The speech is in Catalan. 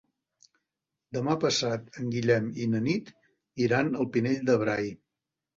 Demà passat en Guillem i na Nit iran al Pinell de Brai.